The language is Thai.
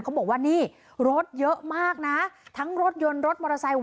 เขาบอกว่านี่รถเยอะมากนะทั้งรถยนต์รถมอเตอร์ไซค์